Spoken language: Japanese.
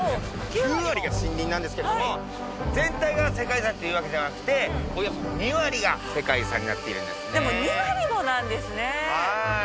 ９割が森林なんですけども全体が世界遺産っていうわけではなくておよそ２割が世界遺産になっているんですねでも２割もなんですね